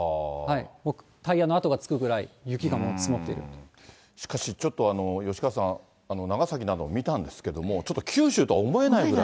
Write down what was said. タイヤの跡がつくぐらい、しかしちょっと、吉川さん、長崎などを見たんですけれども、ちょっと九州とは思えないぐらい。